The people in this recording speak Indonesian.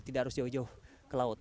tidak harus jauh jauh ke laut